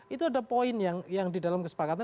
itu ada poin yang di dalam kesepakatan